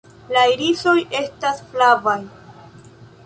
La irisoj estas flavaj.